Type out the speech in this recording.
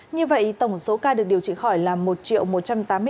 như vậy tổng số ca được điều trị khỏi là một một trăm tám mươi bốn bốn trăm hai mươi tám ca